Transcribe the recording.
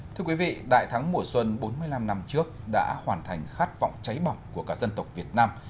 thưa quý vị đại thắng mùa xuân bốn mươi năm năm trước đã hoàn thành khát vọng cháy bỏng của cả dân tộc việt nam